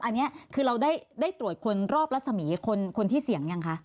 อันนี้คือเราได้ตรวจคนรอบรัศมีคนที่เสี่ยงยังคะ